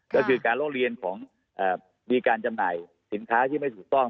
ก็คือการร้องเรียนของมีการจำหน่ายสินค้าที่ไม่ถูกต้อง